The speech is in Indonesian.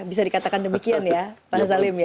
bisa dikatakan demikian ya pak salim ya